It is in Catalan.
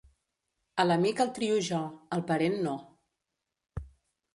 A l'amic el trio jo; al parent, no.